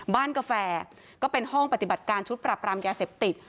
กาแฟก็เป็นห้องปฏิบัติการชุดปรับรามยาเสพติด